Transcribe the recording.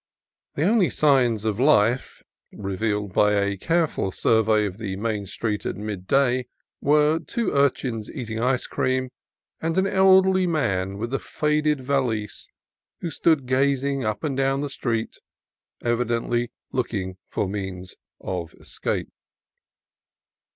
The only signs of life revealed by a careful survey of the main street at midday were two urchins eating ice cream and an elderly man with a faded valise who stood gazing up and down the street, evidently looking for means of escape.